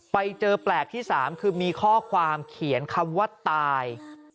ไปเจอแปลกที่๓คือมีข้อความเขียนคำว่าตาย